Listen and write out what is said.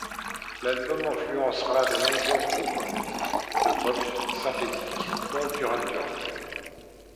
L'album influencera de nombreux groupes de pop synthétique dont Duran Duran.